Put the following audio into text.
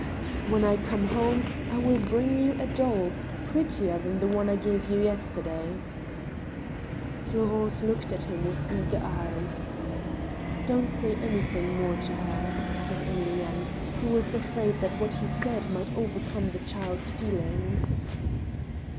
" When I come home I will bring you a doll, prettier than the one I gave you yesterday." Florence looked at him with eager eyes. " Don't say anything more to her," said Emilienne. who was afraid that what he said might overcome the child's feelings.